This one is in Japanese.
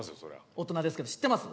大人ですけど知ってます？